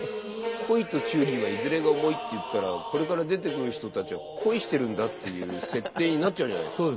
「恋と忠義はいづれが重い」って言ったらこれから出てくる人たちは恋してるんだっていう設定になっちゃうじゃないですか。